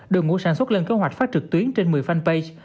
đội ngũ sản xuất lên kế hoạch phát trực tuyến trên một mươi fanpage